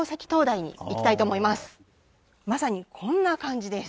まさにこんな感じです。